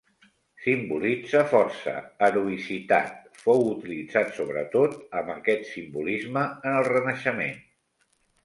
Simbolitza força, heroïcitat, fou utilitzat sobretot amb aquest simbolisme en el Renaixement.